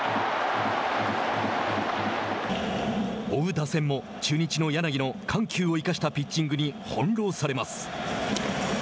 追う打線も中日の柳の緩急を生かしたピッチングに翻弄されます。